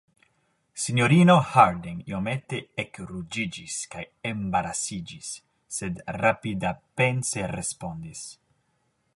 Sinjorino Harding iomete ekruĝiĝis kaj embarasiĝis, sed rapidapense respondis: